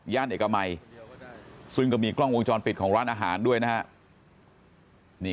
เอกมัยซึ่งก็มีกล้องวงจรปิดของร้านอาหารด้วยนะฮะ